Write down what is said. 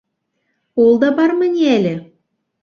— Ул да бармы ни әле?